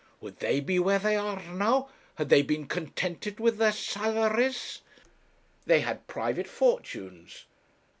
Would they be where they are now, had they been contented with their salaries?' 'They had private fortunes.'